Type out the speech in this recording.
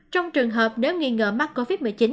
trong trường hợp nếu nghi ngờ mắc covid một mươi chín